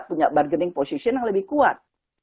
punya bargaining position yang lebih kuat